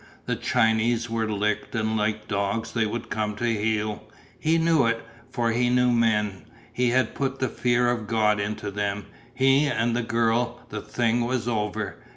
The Chinese were licked and like dogs they would come to heel. He knew it, for he knew men. He had put the fear of God into them, he and the girl; the thing was over.